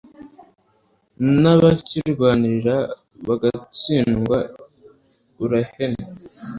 nabakirwanirira bagatsindwa uruhenu